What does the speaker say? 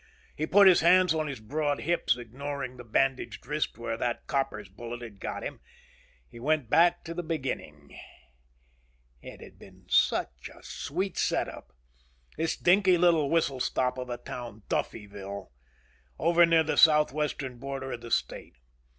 He put his hands on his broad hips, ignoring the bandaged wrist where that copper's bullet had got him. He went back to the beginning. It had been such a sweet set up. This dinky little whistle stop of a town. Duffyville. Over near the southwestern border of the state.